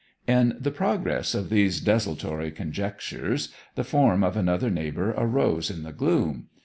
In the progress of these desultory conjectures the form of another neighbour arose in the gloom.